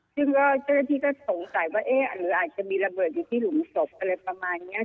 ซึ่งก็เจ้าหน้าที่ก็สงสัยว่าเอ๊ะหรืออาจจะมีระเบิดอยู่ที่หลุมศพอะไรประมาณนี้